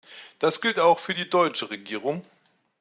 Das gilt auch für die deutsche Regierung.